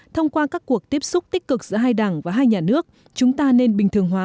thông qua các cuộc tiếp xúc tích cực giữa hai đảng và hai nhà nước chúng ta nên bình thường hóa